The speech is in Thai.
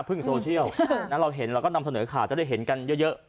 โซเชียลเราเห็นเราก็นำเสนอข่าวจะได้เห็นกันเยอะ